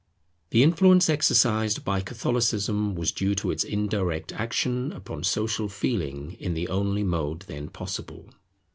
The influence exercised by Catholicism was due to its indirect action upon social feeling in the only mode then possible.